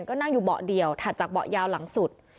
ก็นั่งอยู่เบาะเดียวถัดจากเบาะยาวหลังสุด